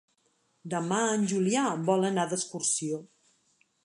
Demà en Julià vol anar d'excursió.